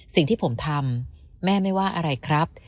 สิ่งที่ผมทำแม่ไม่ว่าอะไรครับ